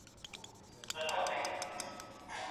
نوي قوانين د پارلمان لخوا تصويب کېږي.